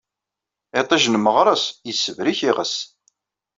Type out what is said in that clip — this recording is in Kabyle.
Iṭij n meɣres, yessibrik iɣes.